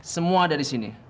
semua ada di sini